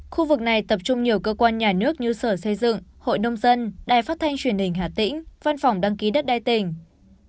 khu vực này tập trung nhiều cơ quan nhà nước như sở xây dựng hội nông dân đài phát thanh truyền hình hà tĩnh văn phòng đăng ký đất đai tỉnh